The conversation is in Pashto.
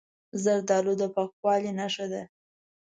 زردالو د پاکوالي نښه ده.